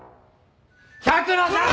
百野さん！